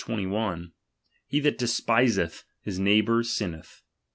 21 : He that despiseth his neighbour, sinneth.